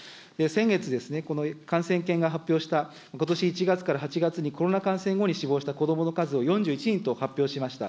先月、この感染研が発表した、ことし１月から８月にコロナ感染後に死亡した子どもの数を、４１人と発表しました。